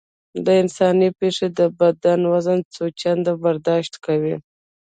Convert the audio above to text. د انسان پښې د بدن وزن څو چنده برداشت کوي.